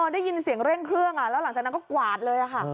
ได้ยินเสียงเร่งเครื่องแล้วหลังจากนั้นก็กวาดเลยค่ะ